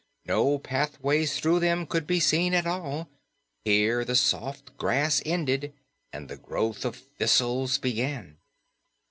No pathways through them could be seen at all; here the soft grass ended and the growth of thistles began.